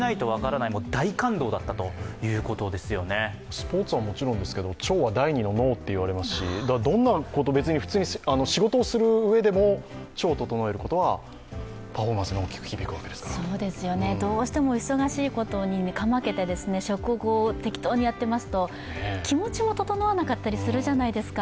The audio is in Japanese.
スポーツはもちろんですけど腸は第二の脳っていわれますし、どんな、別に普通に仕事をするうえでも腸を整えることはパフォーマンスに大きく響くわけですから。どうしても忙しいことにかまけて食を適当にやっていますと、気持ちも整わなかったりするじゃないですか。